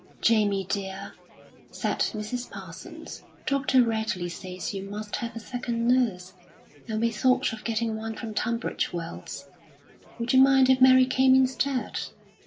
"Jamie, dear," said Mrs. Parsons, "Dr. Radley says you must have a second nurse, and we thought of getting one from Tunbridge Wells. Would you mind if Mary came instead?"